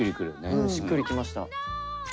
しっくりきました。